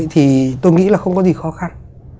thì tôi nghĩ là không có gì khó khăn